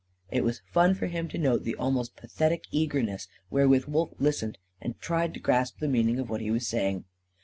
It was fun for him to note the almost pathetic eagerness wherewith Wolf listened and tried to grasp the meaning of what he was saying.